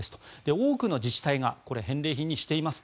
多くの自治体が返礼品にしています。